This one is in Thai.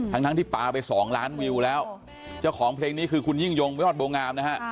ทั้งทั้งที่ปลาไปสองล้านวิวแล้วเจ้าของเพลงนี้คือคุณยิ่งยงวิยอดบัวงามนะฮะ